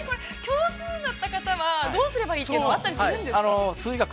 ◆凶数だった方はどうすればいいっていうのあったりするんですか。